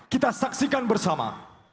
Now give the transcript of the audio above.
kita saksikan bersama